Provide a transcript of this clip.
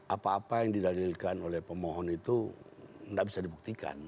apa apa yang didalilkan oleh pemohon itu tidak bisa dibuktikan